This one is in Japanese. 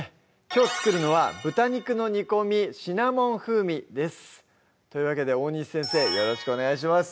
きょう作るのは「豚肉の煮込みシナモン風味」ですというわけで大西先生よろしくお願いします